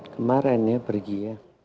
kemaren ya pergi ya